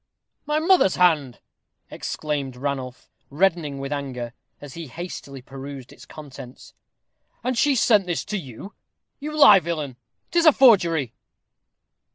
"My mother's hand!" exclaimed Ranulph, reddening with anger, as he hastily perused its contents. "And she sent this to you? You lie, villain 'tis a forgery."